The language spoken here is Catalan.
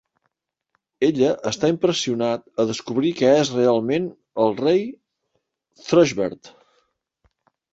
Ella està impressionat a descobrir que és realment el rei Thrushbeard.